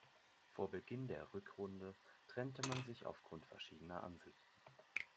Vor Beginn der Rückrunde trennte man sich aufgrund verschiedener Ansichten.